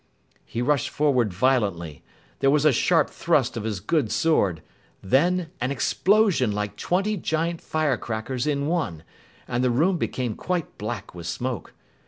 "_ He rushed forward violently. There was a sharp thrust of his good sword, then an explosion like twenty giant firecrackers in one, and the room became quite black with smoke.